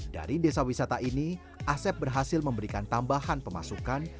dari desa wisata ini asep berhasil memberikan tambahan pemasukan